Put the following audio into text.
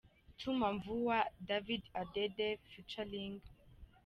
Tuma Mvua – David Adede ft.